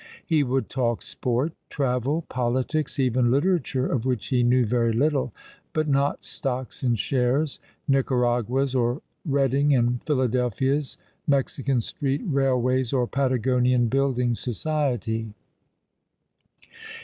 He would talk sport, travel, politics — even litera ture, of which he knew very little — but not stocks and shares, Nicaraguas, or Eeading and Philadelphias, Mexican Street Eailways, or Patagonian Building Society.